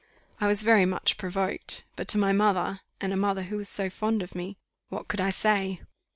I was very much provoked; but to my mother, and a mother who was so fond of me, what could I say?